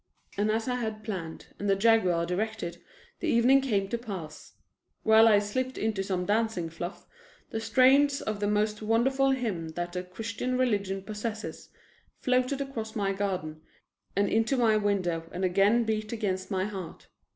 And as I had planned, and the Jaguar directed, the evening came to pass. While I slipped into some dancing fluff, the strains of the most wonderful hymn that the Christian religion possesses floated across my garden and into my window and again beat against my heart.